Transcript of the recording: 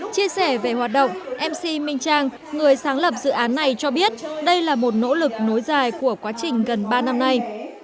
chia sẻ về hoạt động mc minh trang người sáng lập dự án này cho biết đây là một nỗ lực nối dài của quá trình gần ba năm nay